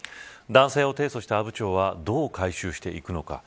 男性を提訴した阿武町はどう回収していくのか。